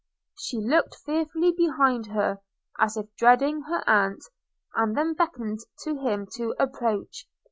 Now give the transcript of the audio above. She looked fearfully behind her, as if dreading her aunt – and then beckoned to him to approach.